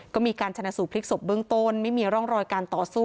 ก็มีการชนะสูตพลิกศพเบื้องต้นไม่มีร่องรอยการต่อสู้